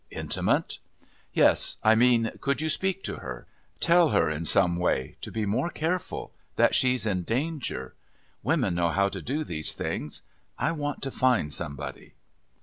"Intimate?" "Yes. I mean could you speak to her? Tell her, in some way, to be more careful, that she's in danger. Women know how to do these things. I want to find somebody."